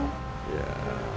banyak tempat buat main main